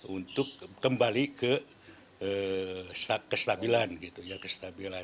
untuk kembali ke kestabilan gitu ya kestabilan